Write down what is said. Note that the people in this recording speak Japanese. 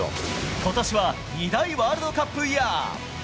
ことしは２大ワールドカップイヤー。